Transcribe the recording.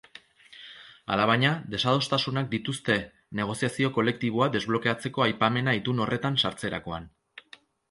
Alabaina, desadostasunak dituzte negoziazio kolektiboa desblokeatzeko aipamena itun horretan sartzerakoan.